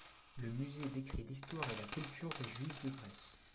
Le musée décrit l'histoire et la culture des juifs de Grèce.